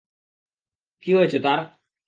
কি হয়েছে তার?